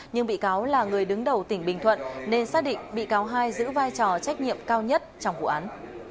nhưng bị cáo là người đứng đầu tỉnh bình thuận nên xác định bị cáo hai giữ vai trò trách nhiệm cao nhất trong vụ án